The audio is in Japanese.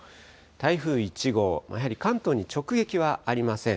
台風１号、やはり関東に直撃はありません。